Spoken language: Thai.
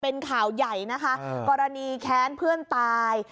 เป็นข่าวใหญ่นะคะกรณีแค้นเพื่อนตาย